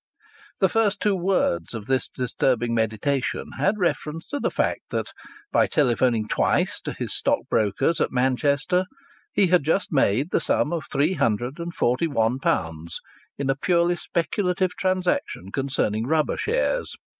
The first two words of this disturbing meditation had reference to the fact that, by telephoning twice to his stockbrokers at Manchester, he had just made the sum of three hundred and forty one pounds in a purely speculative transaction concerning Rubber Shares.